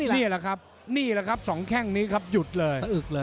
นี่แหละครับ๒แค่งนี้ครับหยุดเลย